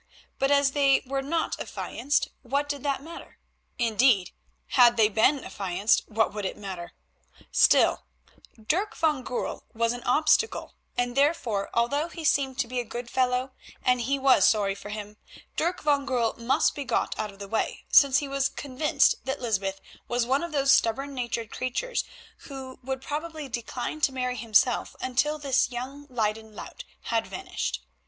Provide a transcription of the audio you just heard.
But as they were not affianced what did that matter? Indeed, had they been affianced, what would it matter? Still, Dirk van Goorl was an obstacle, and, therefore, although he seemed to be a good fellow, and he was sorry for him, Dirk van Goorl must be got out of the way, since he was convinced that Lysbeth was one of those stubborn natured creatures who would probably decline to marry himself until this young Leyden lout had vanished.